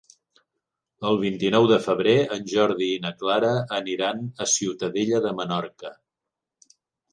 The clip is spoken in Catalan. El vint-i-nou de febrer en Jordi i na Clara aniran a Ciutadella de Menorca.